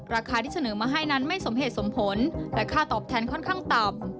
ราคาที่เสนอมาให้นั้นไม่สมเหตุสมผลแต่ค่าตอบแทนค่อนข้างต่ำ